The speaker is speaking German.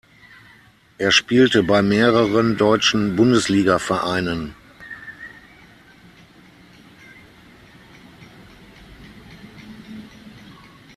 Er spielte bei mehreren deutschen Bundesligavereinen.